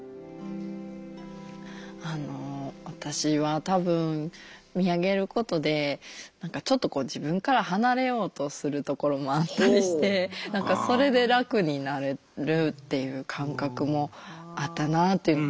あの私は多分見上げることで何かちょっとこう自分から離れようとするところもあったりして何かそれで楽になれるっていう感覚もあったなっていう。